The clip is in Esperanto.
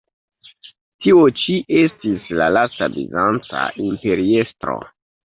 Tio ĉi estis la lasta bizanca imperiestro.